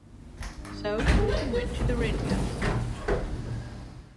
So she went to rent the house.